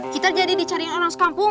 kita jadi dicariin orang sekampung